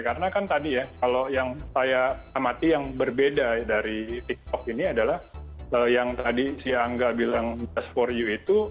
karena kan tadi ya kalau yang saya amati yang berbeda dari tiktok ini adalah yang tadi si angga bilang best for you itu